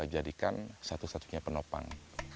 jadikan satu satunya penopang